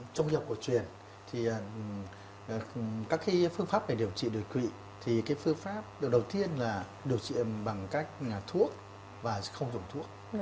trong y học cổ truyền thì các phương pháp để điều trị đồ quỵ thì phương pháp đầu tiên là điều trị bằng cách thuốc và không dùng thuốc